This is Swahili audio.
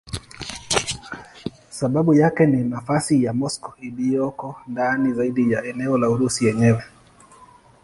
Sababu yake ni nafasi ya Moscow iliyoko ndani zaidi ya eneo la Urusi yenyewe.